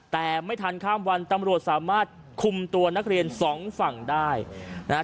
แต่ไม่ทันข้ามวันตำรวจสามารถคุมตัวนักเรียนสองฝั่งได้นะฮะ